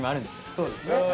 そうですね。